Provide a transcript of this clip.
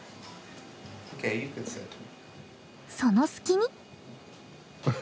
その隙に！